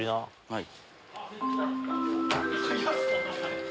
はい。